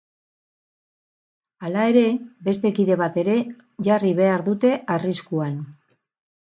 Hala ere, beste kide bat ere jarri behar dute arriskuan.